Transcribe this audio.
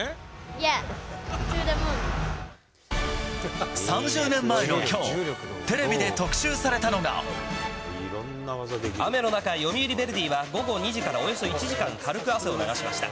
イエー、３０年前のきょう、テレビで雨の中、読売ヴェルディは午後２時からおよそ１時間、軽く汗を流しました。